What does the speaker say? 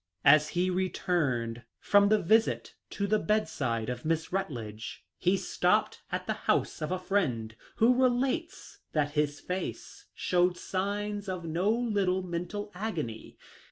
As he re turned from the visit to the bedside of Miss Rut ledge, he stopped at the house of a friend, who re lates that his face showed signs of no little mental agony.